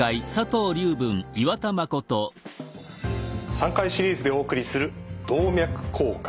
３回シリーズでお送りする「動脈硬化」。